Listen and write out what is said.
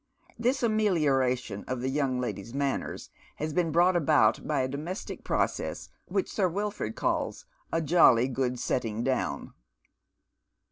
This amelioration of the young lady's manners haa been brought about by a domestic process which Sir Wilford calls "a jolly good setting down."